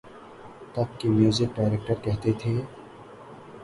تب کے music director کہتے تھے۔